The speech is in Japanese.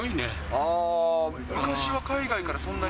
昔は海外からそんなに？